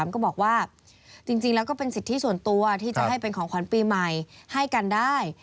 ก็บอกว่าจริงแล้วก็เป็นสิทธิส่วนตัวที่จะให้เป็นของขวัญปีใหม่ให้กันได้